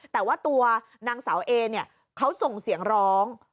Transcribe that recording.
แต่ว่าตัวนางสาวเอเนี่ยเขาส่งเสียงร้อง